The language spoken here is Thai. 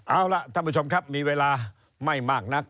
เอาล่ะท่านผู้ชมครับมีเวลาไม่มากนัก